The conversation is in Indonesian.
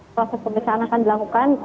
proses pemeriksaan akan dilakukan